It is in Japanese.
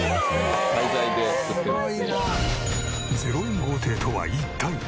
０円豪邸とは一体。